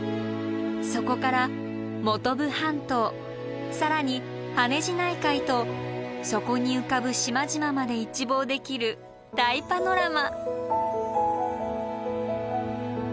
そこから本部半島更に羽地内海とそこに浮かぶ島々まで一望できる大パノラマ。